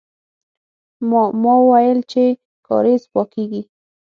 ما، ما ويل چې کارېز پاکيږي.